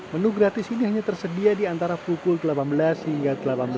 menu gratis ini hanya tersedia di antara pukul delapan belas hingga delapan belas